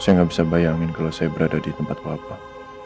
saya nggak bisa bayangin kalau saya berada di tempat bapak